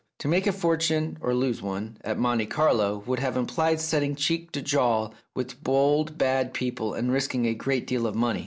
To make a fortune (or lose one) at Monte Carlo would have implied setting cheek to jowl with bold, bad people, and risking a great deal of money.